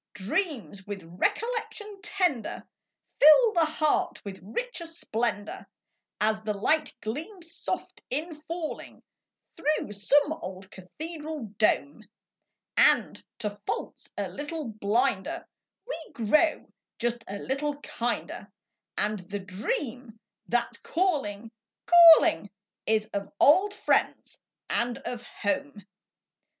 D REAMS \9ith recollection tender Fill the Heart Ntfith richer ' splendor, As the light gleams soft in jullinq Through some ola cathedral dome ; And, to faults a little blinder, ADe gt'oxtf just a little hinder, And the dream that's call inq, calling , old friends and o home.